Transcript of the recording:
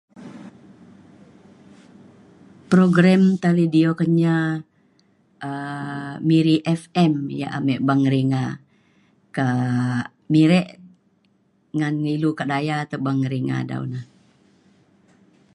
Program ta ledio Kenyah um Miri FM ya ame ngeringa ka um mirek ngan ilu ka daya ka ngeringa dau.